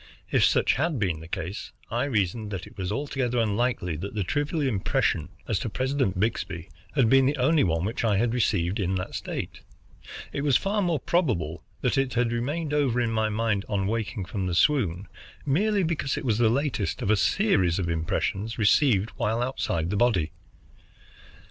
If such had been the case, I reasoned that it was altogether unlikely that the trivial impression as to President Byxbee had been the only one which I had received in that state. It was far more probable that it had remained over in my mind, on waking from the swoon, merely because it was the latest of a series of impressions received while outside the body.